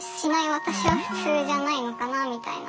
私は普通じゃないのかなみたいな。